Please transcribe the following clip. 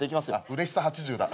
うれしさ８０だ。